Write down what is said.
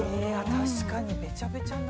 確かにべちゃべちゃになる。